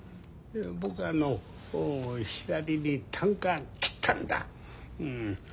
僕はひらりにたんか切ったんだ。